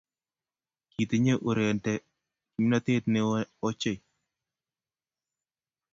Kitinye urerente kimnotee ne oo ochei.